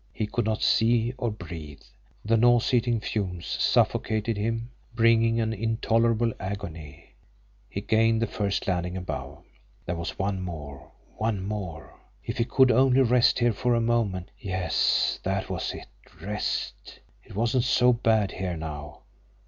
He could not see or breathe. The nauseating fumes suffocated him, bringing an intolerable agony. He gained the first landing above. There was one more one more! If he could only rest here for a moment! Yes, that was it rest. It wasn't so bad here now.